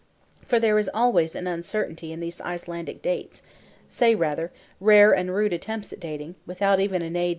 For there is always an uncertainty in these Icelandic dates (say rather, rare and rude attempts at dating, without even an "A.